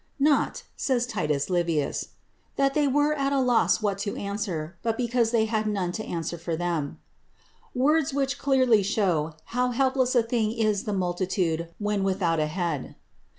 "Not," says Titus Livius, "that they were at a loss what to answer, but because they had none to answer for them;" words which clearly show how helpless a thing is the multitude when without a head.